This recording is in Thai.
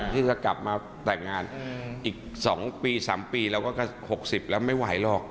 ที่จะกลับมาแต่งงานอีก๒ปี๓ปีเราก็๖๐แล้วไม่ไหวหรอก